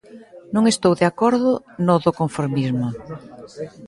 Non estou de acordo no do conformismo.